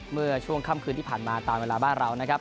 เมื่อช่วงค่ำคืนที่ผ่านมาตามเวลาบ้านเรานะครับ